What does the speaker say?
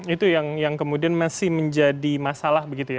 itu yang kemudian masih menjadi masalah begitu ya